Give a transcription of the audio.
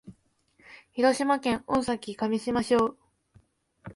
広島県大崎上島町